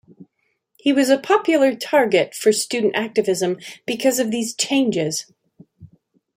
He was a popular target for student activism because of these changes.